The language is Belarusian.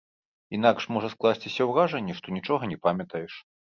Інакш можа скласціся ўражанне, што нічога не памятаеш.